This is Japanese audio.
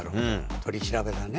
取り調べだね。